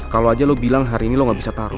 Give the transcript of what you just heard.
kalau aja lo bilang hari ini lo gak bisa taruh